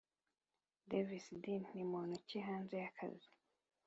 davis d ni muntu ki hanze y’akazi